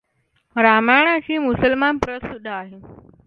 रामायणाची मुसलमान प्रत सुद्धा आहे.